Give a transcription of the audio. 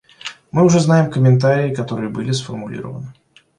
Мы уже знаем комментарии, которые были сформулированы.